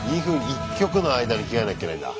１曲の間に着替えなきゃいけないんだ。